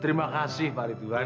terima kasih pak ridwan